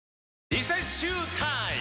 リセッシュータイム！